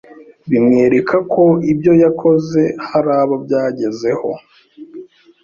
bimwereka ko ibyo yakoze hari abo byagezeho.